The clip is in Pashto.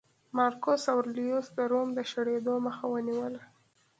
مارکوس اورلیوس د روم د شړېدو مخه ونیوله